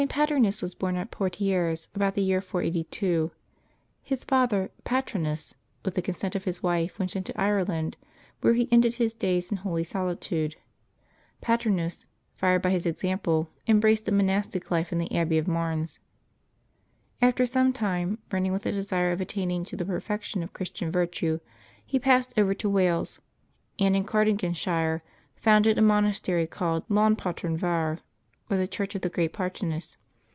Pateenus w^as born at Poitiers, about the year 483. His father, Patranus, with the consent of his wife, went into Ireland, where he ended his days in holy solitude. Paternus, fired by his example, embraced a monastic life in the abbey of Marnes. After some time, burning with a desire of attaining to the perfection of Christian virtue, he passed over to Wales, and in Cardiganshire founded a mon astery called Llan patern vaur, or the church of the great Paternus.